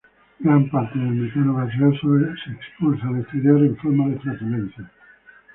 Gran parte del metano gaseoso es expulsado al exterior en forma de flatulencias.